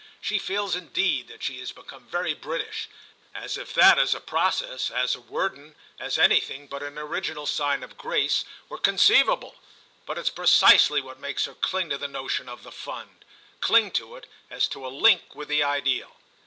She feels indeed that she has become very British—as if that, as a process, as a 'Werden,' as anything but an original sign of grace, were conceivable; but it's precisely what makes her cling to the notion of the 'Fund'—cling to it as to a link with the ideal."